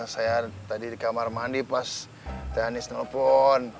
saya tadi di kamar mandi pas teh hanis telepon